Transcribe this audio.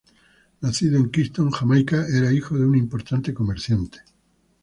Nacido en Kingston, Jamaica, era hijo de un importante comerciante.